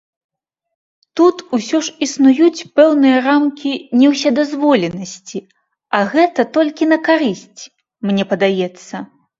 Тут усё ж існуюць пэўныя рамкі неўсёдазволенасці, а гэта толькі на карысць, мне падаецца.